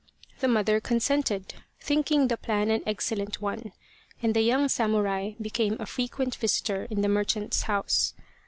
The mother consented, thinking the plan an ex cellent one, and the young samurai became a frequent visitor in the merchant's house.